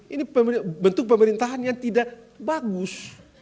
ini bentuk pemerintahan yang tidak bagus